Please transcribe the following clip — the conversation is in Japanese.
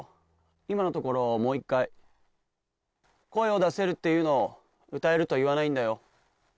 今のところをもう一回声を出せるっていうのを歌えると言わないんだよ